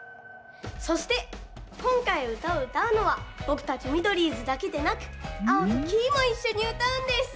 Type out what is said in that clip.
そしてこんかいうたをうたうのはぼくたちミドリーズだけでなくアオとキイもいっしょにうたうんです。